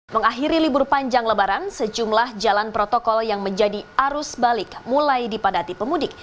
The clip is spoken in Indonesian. mengakhiri libur panjang lebaran sejumlah jalan protokol yang menjadi arus balik mulai dipadati pemudik